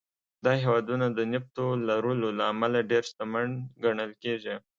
دا هېوادونه د نفتو لرلو له امله ډېر شتمن ګڼل کېږي.